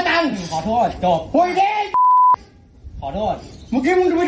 ต่างก็น้อคุณส่งก็น้องอุบัตรได้หมดเลยของกูมันเกิด